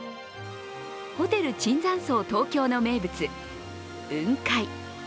ホテル椿山荘東京名物、雲海。